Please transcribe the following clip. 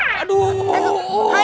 kamu mau beep beep